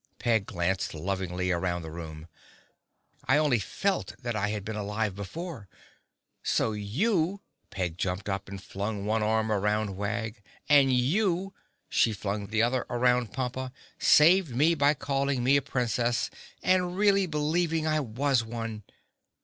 Peg glanced lovingly around the room. "I only felt that I had been alive before. So you!" Peg jumped up and flung one arm around Wag, "and you," she flung the other around Pompa, "saved me by calling me a Princess and really believing I was one.